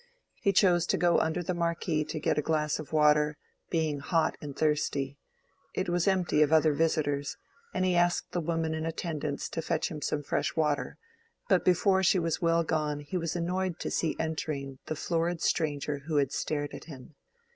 He chose to go under the marquee to get a glass of water, being hot and thirsty: it was empty of other visitors, and he asked the woman in attendance to fetch him some fresh water; but before she was well gone he was annoyed to see entering the florid stranger who had stared at him.